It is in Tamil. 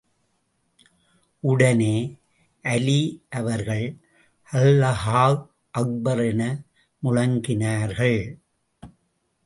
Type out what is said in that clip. உடனே அலி அவர்கள் அல்லாஹூ அக்பர் என முழங்கினார்கள்.